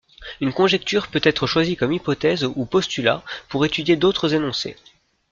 Une conjecture peut être choisie comme hypothèse ou postulat pour étudier d'autres énoncés.